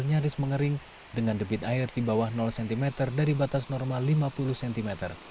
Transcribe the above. nyaris mengering dengan debit air di bawah cm dari batas normal lima puluh cm